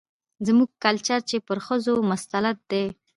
زموږ کلچر چې پر ښځو مسلط دى،